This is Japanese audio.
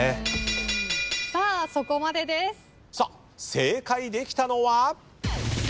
正解できたのは？